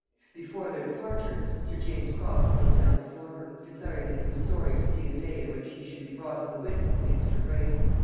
Before their departure sir James Croft kneeled down before her, declaring that he was sorry to see the day in which he should be brought as a witness against her grace.